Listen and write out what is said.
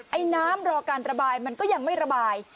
ไอ้น้ำรอการระบายมันก็ยังไม่ระบาย